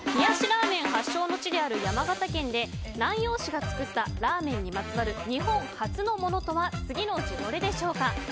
ラーメン発祥の地である山形県で南陽市が作ったラーメンにまつわる日本初のものとは次のうちどれでしょうか。